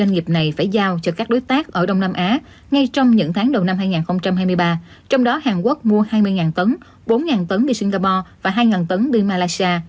hai doanh nghiệp này phải giao cho các đối tác ở đông nam á ngay trong những tháng đầu năm hai nghìn hai mươi ba trong đó hàn quốc mua hai mươi tấn bốn tấn m singapore và hai tấn đi malaysia